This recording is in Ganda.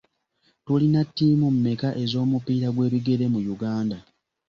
Tulina ttiimu mmeka ez'omupiira gw'ebigere mu Uganda?